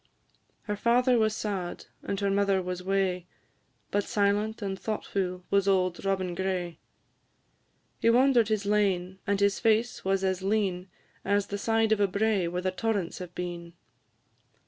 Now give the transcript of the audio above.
Her father was sad, and her mother was wae, But silent and thoughtfu' was auld Robin Gray; He wander'd his lane, and his face was as lean As the side of a brae where the torrents have been.